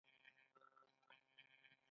د انارو پوستکي د رنګ لپاره پلورل کیږي؟